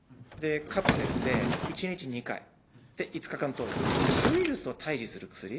カプセルで１日２回で５日間投与の、ウイルスを退治する薬。